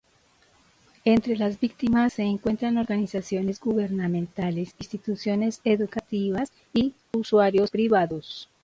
Entre las víctimas se encuentran organizaciones gubernamentales, instituciones educativas y usuarios privados.